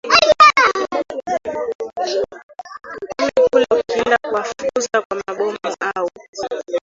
kumi kule ukienda kuwafukuza kwa mabomu au